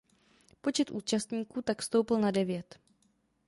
Počet účastníků tak stoupl na devět.